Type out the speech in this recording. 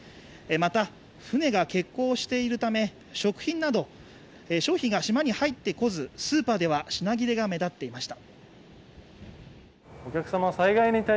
また、船が欠航しているため食品など、商品が島に入ってこずスーパーでは品切れが目立っていました。